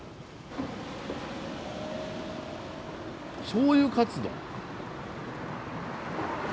「しょうゆカツ丼」。